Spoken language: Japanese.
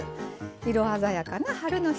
色鮮やかな春の一皿。